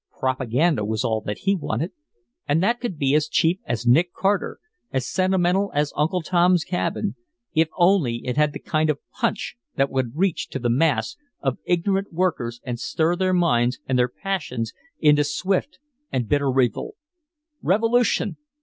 "Propaganda" was all that he wanted, and that could be as cheap as Nick Carter, as sentimental as Uncle Tom's Cabin, if only it had the kind of "punch" that would reach to the mass of ignorant workers and stir their minds and their passions into swift and bitter revolt. Revolution!